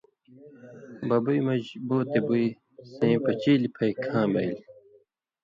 بُبوئ مژ بو تے بُوئ سَیں پچیلیۡ پھئ کھاں بئیل۔